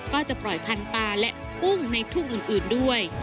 ก็จะปล่อยพันธุ์ปลาและกุ้งในทุ่งอื่นด้วย